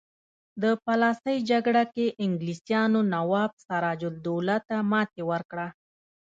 په پلاسۍ جګړه کې انګلیسانو نواب سراج الدوله ته ماتې ورکړه.